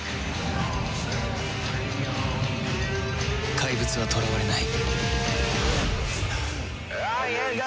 怪物は囚われない